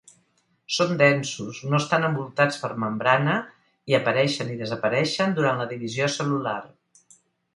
Són densos, no estan envoltats per membrana i apareixen i desapareixen durant la divisió cel·lular.